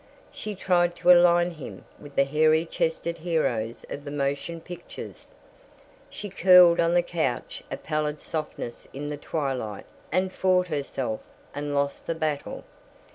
She tried to align him with the hairy chested heroes of the motion pictures. She curled on the couch a pallid softness in the twilight, and fought herself, and lost the battle.